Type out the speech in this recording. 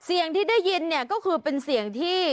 เสียงที่ได้ยินเนี่ยก็คือเป็นเสียงที่